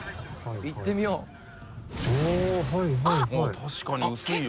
確かに薄いよ